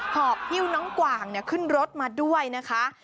หอบฮิ้วน้องกว่างขึ้นรถมาด้วยนะคะ